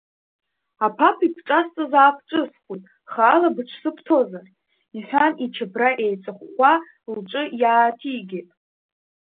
Аԥаԥа ибҿасҵаз аабҿысхуеит хаала быҽсыбҭозар, — иҳәан, ичабра еиҵыхәхәа лҿы иааҭигеит.